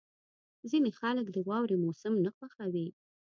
• ځینې خلک د واورې موسم نه خوښوي.